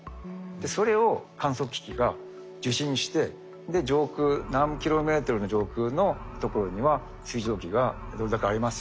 でそれを観測機器が受信して上空何キロメートルの上空のところには水蒸気がどれだけあります